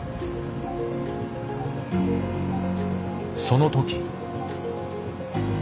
その時。